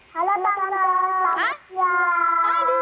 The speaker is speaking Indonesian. halo tante selamat siang